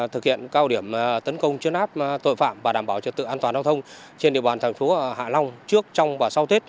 thực hiện cao điểm tấn công chứa nát tội phạm và đảm bảo trật tự an toàn giao thông trên địa bàn tp hạ long trước trong và sau tết